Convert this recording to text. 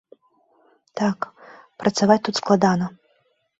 Так, працаваць тут складана.